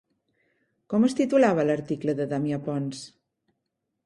Com es titulava l'article de Damià Pons?